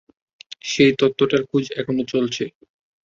সেই তত্ত্বটার খোঁজ এখনো চলছে।